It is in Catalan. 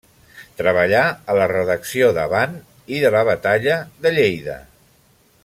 Treballà a la redacció d'Avant i de La Batalla de Lleida.